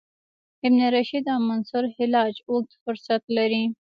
ابن رشد او منصورحلاج اوږد فهرست لري.